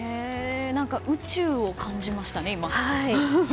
宇宙を感じましたね、今。